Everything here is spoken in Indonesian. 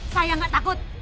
saya gak takut